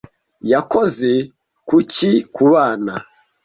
Yakoze kuki kubana.